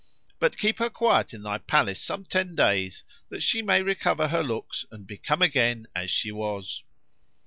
But keep her quiet in thy palace some ten days, that she may recover her looks and become again as she was.